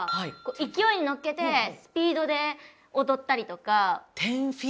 勢いにのっけてスピードで踊ったりとか。